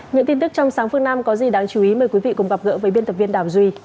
những tin tức trong sáng phương nam có gì đáng chú ý mời quý vị cùng gặp gỡ với biên tập viên đào duy